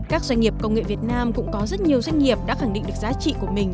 các doanh nghiệp công nghệ việt nam cũng có rất nhiều doanh nghiệp đã khẳng định được giá trị của mình